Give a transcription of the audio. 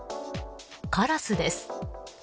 カラスです。